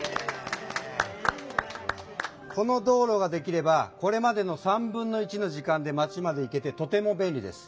この道路ができればこれまでの３分の１の時間で町まで行けてとても便利です。